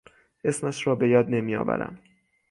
اسمش را به یاد نمی آورم.